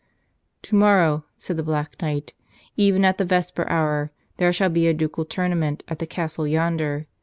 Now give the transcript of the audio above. "Tomorrow," said the Black Knight, "even at the vesper hour, there shall be a ducal tournament at the Castle yonder.